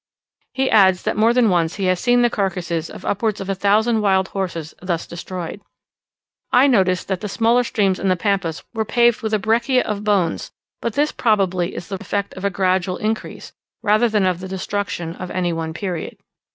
He adds that more than once he has seen the carcasses of upwards of a thousand wild horses thus destroyed. I noticed that the smaller streams in the Pampas were paved with a breccia of bones but this probably is the effect of a gradual increase, rather than of the destruction at any one period.